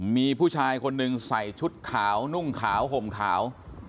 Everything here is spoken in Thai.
มีผู้ชายคนหนึ่งใส่ชุดขาวนุ่งขาวห่มขาว